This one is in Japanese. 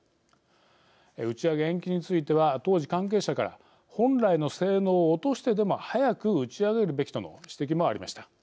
打ち上げ延期については当時関係者から本来の性能を落としてでも早く打ち上げるべきとの指摘もありました。